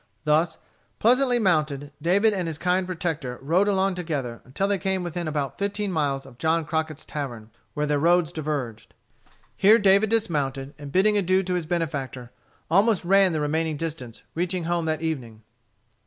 Thus pleasantly mounted, David and his kind protector rode along together until they came within about fifteen miles of John Crockett's tavern, where their roads diverged. Here David dismounted, and bidding adieu to his benefactor, almost ran the remaining distance, reaching home that evening.